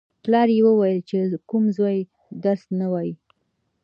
پلار یې ویل: چې کوم زوی درس نه وايي.